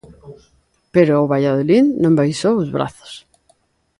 Pero o Valladolid non baixou os brazos.